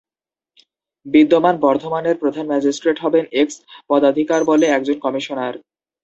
বিদ্যমান বর্ধমানের প্রধান ম্যাজিস্ট্রেট হবেন "এক্স পদাধিকারবলে" একজন কমিশনার।